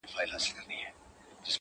• خلکو هېر کړل چي یې ایښي وه نذرونه -